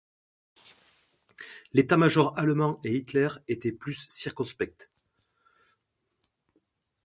L'état-major allemand et Hitler étaient plus circonspects.